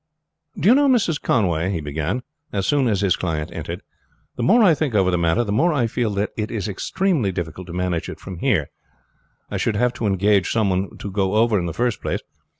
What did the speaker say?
"Do you know, Mrs. Conway," he began, as soon as his client entered, "the more I think over the matter, the more I feel that it is extremely difficult to manage it from here. I should have to engage some one to go over in the first place.